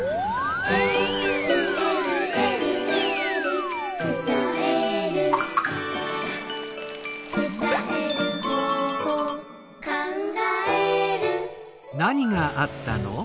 「えるえるえるえる」「つたえる」「つたえる方法」「かんがえる」